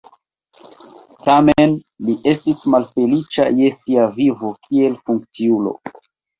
Tamen li estis malfeliĉa je sia vivo kiel funkciulo.